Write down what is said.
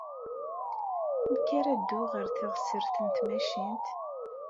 Amek ara dduɣ ɣer teɣsert n tmacint?